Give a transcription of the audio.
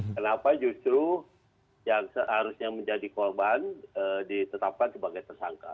kenapa justru yang seharusnya menjadi korban ditetapkan sebagai tersangka